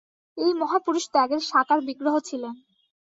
এই মহাপুরুষ ত্যাগের সাকার বিগ্রহ ছিলেন।